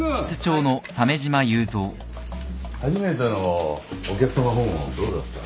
初めてのお客さま訪問どうだった？